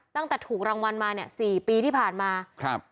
ตั้งแต่ถูกรางวัลมาเนี่ยสี่ปีที่ผ่านมาครับ